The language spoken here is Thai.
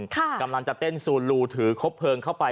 กำลังจะเต้นซูลูถือคบเพลิงเข้าไป